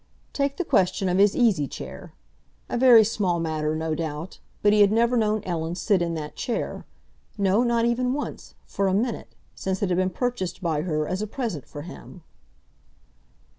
Take the question of his easy chair. A very small matter, no doubt, but he had never known Ellen sit in that chair—no, not even once, for a minute, since it had been purchased by her as a present for him.